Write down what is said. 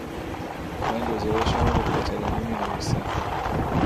من گزارشم را به کاتالانی می نویسم.